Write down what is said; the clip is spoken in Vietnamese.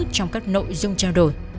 trong các nội dung trao đổi